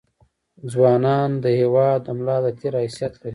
ځونان دهیواد دملا دتیر حیثت لري